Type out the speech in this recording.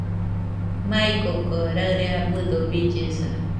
Maikoko raɨre abɨdo billesa